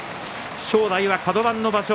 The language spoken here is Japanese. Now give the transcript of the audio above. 正代はカド番の場所